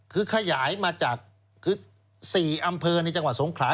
คือขยายมาจากคือ๔อำเภอในจังหวัดสงขลา